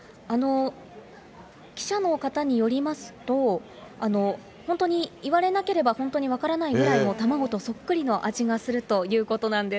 記者の方によりますと、本当に、言われなければ本当に分からないくらい卵とそっくりの味がするということなんです。